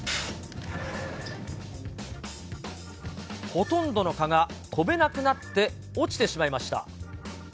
ほとんどの蚊が飛べなくなって落ちてしまいました。